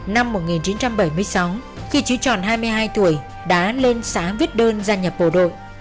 năm một nghìn chín trăm bảy mươi sáu khi chứ tròn hai mươi hai tuổi đã lên xã viết đơn gia nhập bộ đội